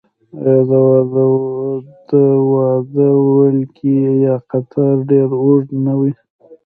آیا د واده ولکۍ یا قطار ډیر اوږد نه وي؟